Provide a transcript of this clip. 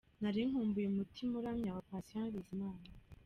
Nari nkumbuye umutima uramya wa Patient Bizimana.